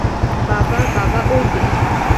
বাবা, বাবা, ঐ যে!